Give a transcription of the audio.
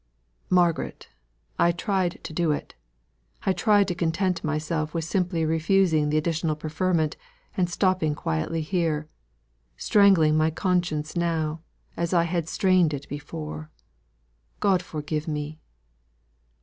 Margaret, I tried to do it; I tried to content myself with simply refusing the additional preferment, and stopping quietly here, strangling my conscience now, as I had strained it before. God forgive me!"